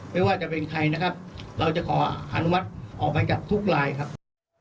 ไม่ว่าจะเป็นใครนะครับเราจะขออนุมัติออกหมายจับทุกลายครับ